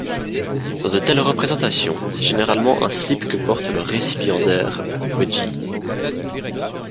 Dans de telles représentations, c'est généralement un slip que porte le récipiendaire du wedgie.